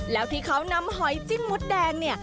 แล้วที่เขานำหอยจิ้มหมดแดง